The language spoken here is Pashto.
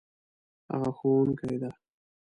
هغه ښوونکې ده